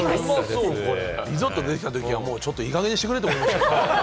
リゾット出てきたときは、ちょっともういいかげんにしてくれって思いました。